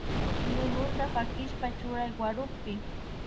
Lulunta pakishpa churay warukpi